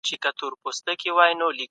اګوست کنت د ټولني هر اړخ مطالعه کړ.